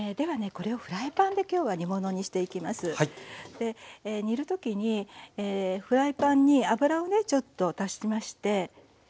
で煮るときにフライパンに油をねちょっと足しまして入れますね。